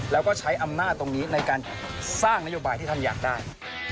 แล้วก็ใช้อำนาจตรงนี้ในการสร้างนโยบายที่ท่านอยากได้